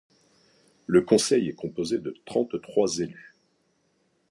Le conseil est composé de trente-trois élus.